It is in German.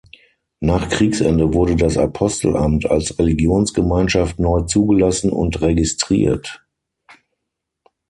Nach Kriegsende wurde das Apostelamt als Religionsgemeinschaft neu zugelassen und registriert.